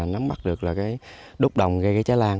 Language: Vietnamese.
nắm bắt được đốt đồng gây cháy lan